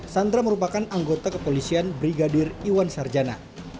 sandra merupakan anggota kepolisian brigadir iwan sarjana